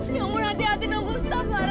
ya ampun hati hati dong gustaf